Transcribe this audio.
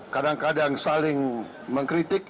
kadang kadang saling mengkritik